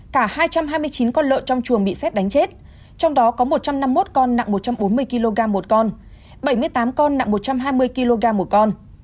cả hai trăm hai mươi chín con lợn trong chuồng bị xét đánh chết trong đó có một trăm năm mươi một con nặng một trăm bốn mươi kg một con bảy mươi tám con nặng một trăm hai mươi kg một con